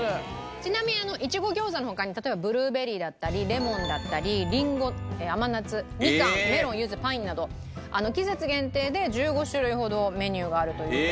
ちなみにいちご餃子の他に例えばブルーベリーだったりレモンだったりりんご甘夏みかんメロンゆずパインなど季節限定で１５種類ほどメニューがあるという事で。